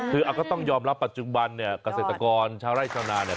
คือต้องยอมรับปัจจุบันเกษตรกรชาวไร่ชาวนา